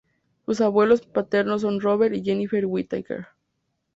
Sus abuelos maternos son Robert y Jennifer Whittaker.